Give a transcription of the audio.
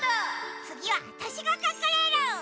つぎはわたしがかくれる！